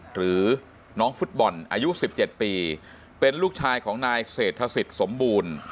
หรือน้องฟุตบอลอายุ๑๗ปีเป็นลูกชายของนายเศรษฐศิษย์สมบูรณ์